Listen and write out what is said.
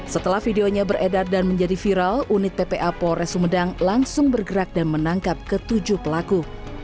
setelah videonya beredar dan menjadi viral unit ppa polres sumedang langsung bergerak dan menangkap ketujuh pelaku